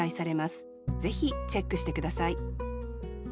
ぜひチェックして下さい